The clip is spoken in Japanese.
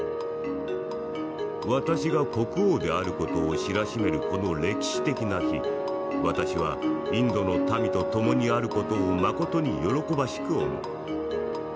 「私が国王である事を知らしめるこの歴史的な日私はインドの民と共にある事をまことに喜ばしく思う。